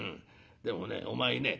でもねお前ね